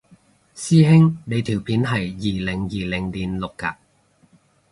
師兄你條片係二零二零年錄嘅？